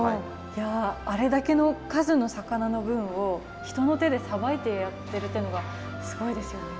いやあれだけの数の魚の分を人の手でさばいてやってるっていうのがすごいですよね。